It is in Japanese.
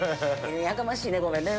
やかましいねごめんね。